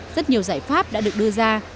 rất nhiều giải pháp đã được đưa ra